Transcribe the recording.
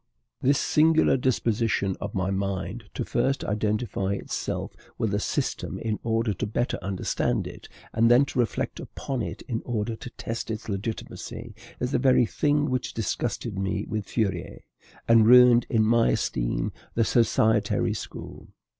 This singular disposition of my mind to first identify itself with a system in order to better understand it, and then to reflect upon it in order to test its legitimacy, is the very thing which disgusted me with Fourier, and ruined in my esteem the societary school.